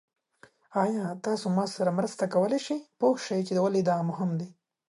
ایا تاسو ما سره مرسته کولی شئ پوه شئ چې ولې دا مهم دی؟